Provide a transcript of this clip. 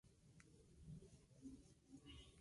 El desempeño de estos cargos estaba limitado a un año.